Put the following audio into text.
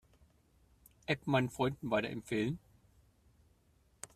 App meinen Freunden weiterempfehlen.